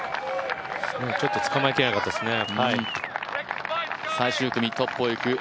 ちょっとつかまえ切れなかったですね。